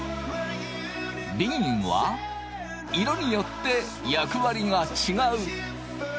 びんは色によって役割が違う。